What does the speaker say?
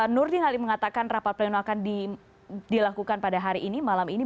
nurdin halim mengatakan rapat pleno akan dilakukan pada hari ini malam ini